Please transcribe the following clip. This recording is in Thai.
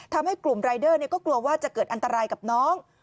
ทำให้กลุ่มรายเดอร์ก็กลัวว่าจะเกิดอันตรายกับน้อง